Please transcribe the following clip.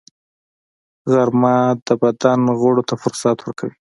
غرمه د بدن غړو ته فرصت ورکوي